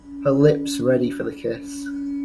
Her lips ready for the kiss!